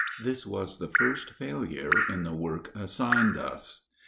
This was the first failure in the work assigned us.